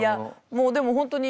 もうでも本当に。